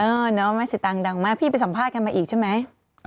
น้องแม่สิตังค์ดังมากพี่ไปสัมภาษณ์กันมาอีกใช่ไหม